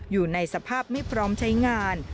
อยู่ในสภาพไม่พร้อมใช้งาน